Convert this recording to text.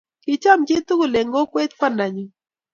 Kicham chitugul eng kokwet kwandanyu.